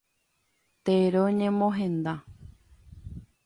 Tero ñemohenda.